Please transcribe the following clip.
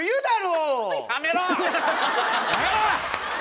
やめろ。